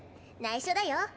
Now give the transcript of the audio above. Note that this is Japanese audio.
ないしょだよ。